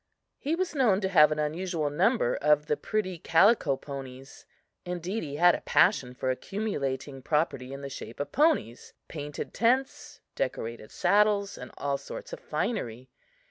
He was known to have an unusual number of the pretty calico ponies; indeed, he had a passion for accumulating property in the shape of ponies, painted tents, decorated saddles and all sorts of finery.